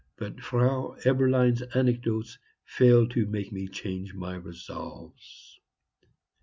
But Frau Eberlein's anecdotes failed to make me change my resolves.